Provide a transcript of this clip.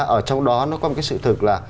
ở trong đó nó có một sự thực là